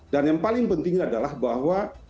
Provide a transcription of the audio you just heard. dan yang paling penting adalah bahwa